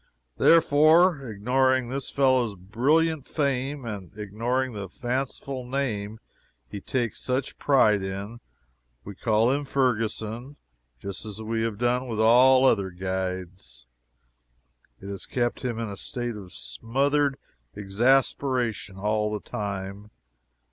Therefore, ignoring this fellow's brilliant fame, and ignoring the fanciful name he takes such pride in, we called him Ferguson, just as we had done with all other guides. It has kept him in a state of smothered exasperation all the time.